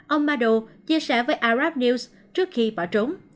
ông madu chia sẻ với arab news trước khi bỏ trốn